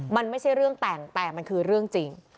มันไม่ใช่เรื่องแต่งแต่มันคือเรื่องจริง